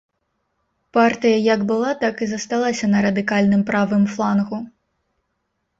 Партыя як была, так і засталася на радыкальным правым флангу.